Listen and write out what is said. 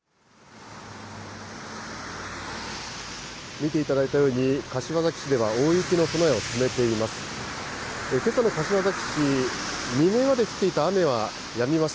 見ていただいたように、柏崎市では大雪の備えを進めています。